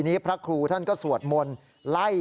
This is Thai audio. สายลูกไว้อย่าใส่